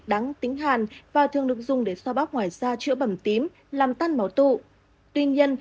đắng tính hàn và thường được dùng để so bóc ngoài da chữa bẩm tím làm tăn máu tụ tuy nhiên